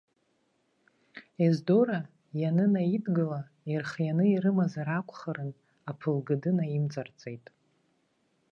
Ездора ианынаидгыла, ирхианы ирымазар акәхарын, аԥылгыды наимҵарҵеит.